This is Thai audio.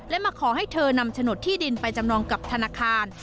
และมาขอให้เธอนำโฉนดที่ดินไปจำนองกับธนาคาร